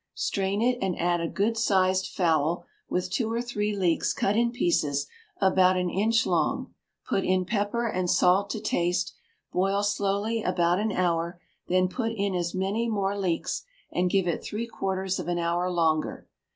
Strain it and add a good sized fowl, with two or three leeks cut in pieces about an inch long, put in pepper and salt to taste, boil slowly about an hour, then put in as many more leeks, and give it three quarters of an hour longer.